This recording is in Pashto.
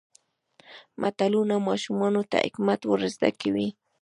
متلونه ماشومانو ته حکمت ور زده کوي.